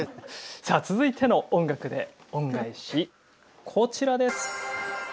さあ続いての音楽で恩返しこちらです。